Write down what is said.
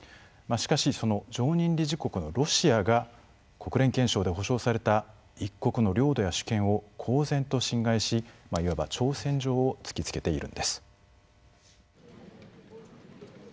しかしその常任理事国のロシアが国連憲章で保障された一国の領土や主権を公然と侵害しいわば挑戦状を突きつけているんです。